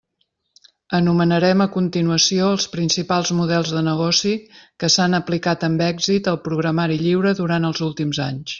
Enumerarem a continuació els principals models de negoci que s'han aplicat amb èxit al programari lliure durant els últims anys.